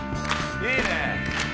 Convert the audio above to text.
いいね。